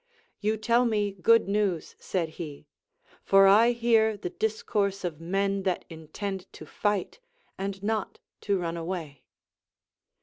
You tell me good ncAvs, said he, for I hear the discourse of men that intend to fight, and not to run away.